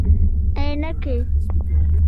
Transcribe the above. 👓 عینکي